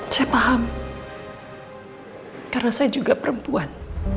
saya paham karena saya juga perempuan